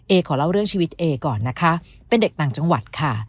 ขอเล่าเรื่องชีวิตเอก่อนนะคะเป็นเด็กต่างจังหวัดค่ะ